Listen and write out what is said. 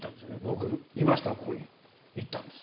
僕いました、ここに。